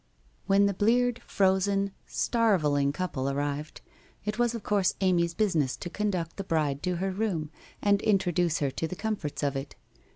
' When the bleared, frozen, starveling couple arrived, it was of course Amy's business to conduct the bride to her room and introduce her to the comforts of it.